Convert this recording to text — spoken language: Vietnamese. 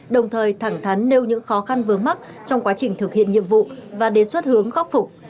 đồng thời thẳng thắn nêu những khó khăn vướng mắt trong quá trình thực hiện nhiệm vụ và đề xuất hướng khắc phục